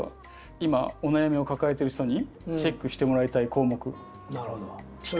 今お悩みを抱えてる人にチェックしてもらいたい項目。